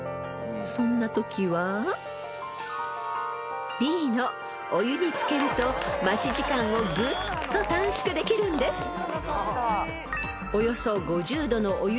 ［そんなときはＢのお湯に漬けると待ち時間をぐっと短縮できるんです］